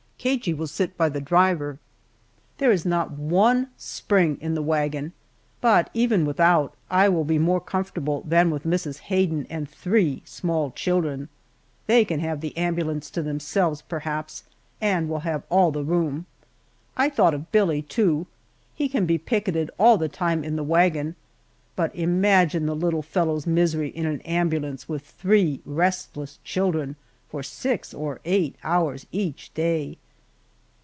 Cagey will sit by the driver. There is not one spring in the wagon, but even without, I will be more comfortable than with Mrs. Hayden and three small children. They can have the ambulance to themselves perhaps, and will have all the room. I thought of Billie, too. He can be picketed all the time in the wagon, but imagine the little fellow's misery in an ambulance with three restless children for six or eight hours each day!